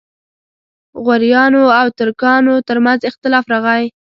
غوریانو او ترکانو ترمنځ اختلاف راغی.